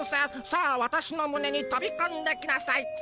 さあ私のむねにとびこんできなさい。